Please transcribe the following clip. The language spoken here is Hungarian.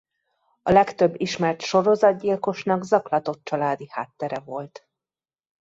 A legtöbb ismert sorozatgyilkosnak zaklatott családi háttere volt.